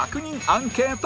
アンケート